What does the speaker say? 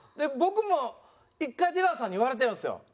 僕も一回出川さんに言われてるんですよ。